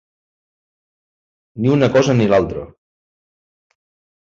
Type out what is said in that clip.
Ni una cosa ni l’altra.